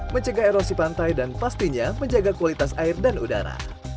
mencegah erosi pantai dan pastinya menjaga kualitas air dan udara